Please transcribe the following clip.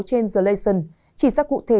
trên the leysen chỉ ra cụ thể